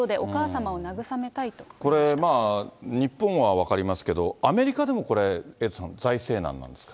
これまあ、日本は分かりますけど、アメリカでもこれ、エイトさん、財政難なんですか。